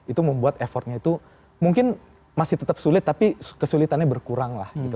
itu membuat effortnya itu mungkin masih tetap sulit tapi kesulitannya berkurang lah gitu